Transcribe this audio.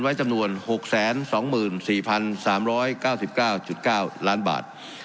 ไว้จำนวน๖๒๔๓๙๙๙ล้านบาท